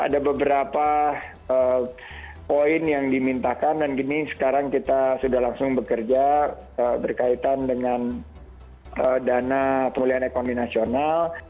ada beberapa poin yang dimintakan dan gini sekarang kita sudah langsung bekerja berkaitan dengan dana pemulihan ekonomi nasional